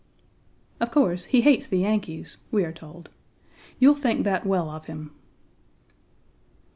"Of course, He hates the Yankees, we are told. You'll think that well of Him."